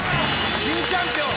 新チャンピオン！